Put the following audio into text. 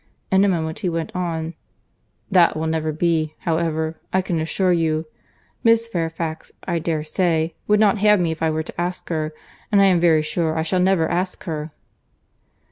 In a moment he went on— "That will never be, however, I can assure you. Miss Fairfax, I dare say, would not have me if I were to ask her—and I am very sure I shall never ask her."